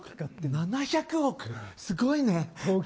７００億、すごいね。